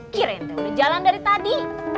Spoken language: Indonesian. kirain teh udah jalan dari tadi